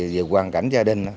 về hoàn cảnh gia đình